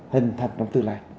hình thành trong tương lai